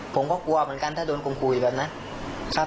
ผมก็กลัวเหมือนกันถ้าโดนคมขู่แบบนั้นครับ